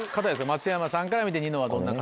松山さんから見てニノはどんな方？